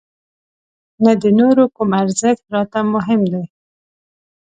نه د نورو کوم ارزښت راته مهم دی.